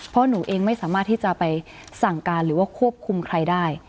เพราะหนูเองไม่สามารถที่จะไปสั่งการหรือว่าควบคุมใครได้